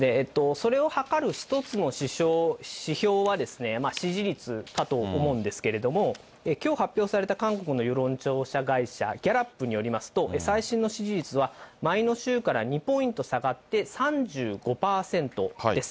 それをはかる一つの指標はですね、支持率かと思うんですけれども、きょう発表された韓国の世論調査会社、ギャラップによりますと、最新の支持率は前の週から２ポイント下がって、３５％です。